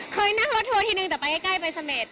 เคยนั่งรถทัวร์ทีนึงแต่ไปใกล้ไปเสม็ด